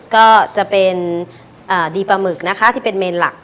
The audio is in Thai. ก็จะเป็นดีปลาหมึกนะคะที่เป็นเมนหลัก